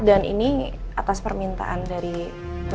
dan ini atas permintaan dari mbak